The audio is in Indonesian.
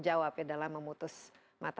jawab ya dalam memutus mata